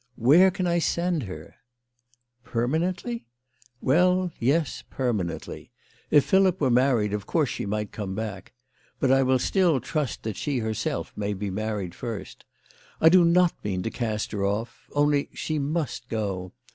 "Where can I send her ?"" Permanently ?"" Well, yes ; permanently. If Philip were married, of course she might come back. But I will still trust that she herself may be married first. I do not mean to cast her off; only she must go.